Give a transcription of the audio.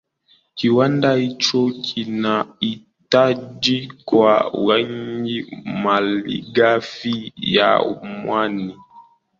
Kiwanda hicho kinahitaji kwa wingi malighafi ya mwani